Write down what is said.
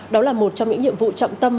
đó là một trong những nhiệm vụ trọng tâm